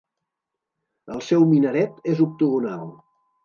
El seu minaret és octogonal.